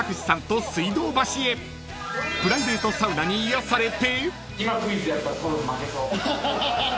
［プライベートサウナに癒やされて］